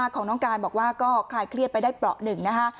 ของน้องการบอกว่าก็คลายเครียดไปได้เปราะหนึ่งนะคะ